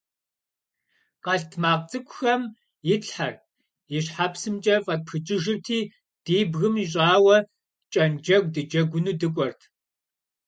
Къэлтмакъ цӀыкӀухэм итлъхьэрт, и щхьэпсымкӀэ фӀэтпхыкӀыжырти, ди бгым ищӏауэ кӀэнджэгу дыджэгуну дыкӀуэрт.